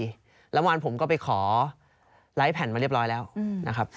แล้วเมื่อวานผมก็ไปขอไลค์แผ่นมาเรียบร้อยแล้วนะครับ